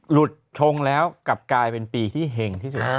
หลุดชงแล้วกลับกลายเป็นปีที่เห็งที่สุด